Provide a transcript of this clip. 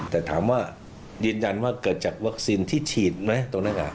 แต่ถามว่ายืนยันว่าเกิดจากวัคซีนที่ฉีดไหมตรงนั้น